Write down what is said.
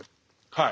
はい。